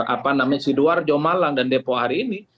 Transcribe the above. apa namanya sidoar jomalang dan depok hari ini